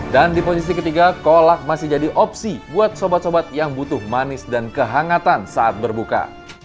dan di posisi ketiga kolak masih jadi opsi buat sobat sobat yang butuh manis dan kehangatan saat berbuka